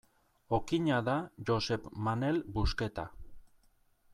Okina da Josep Manel Busqueta.